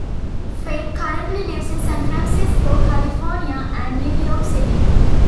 Fake currently lives in San Francisco, California and New York City.